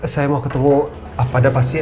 saya mau ketemu apa ada pasti ya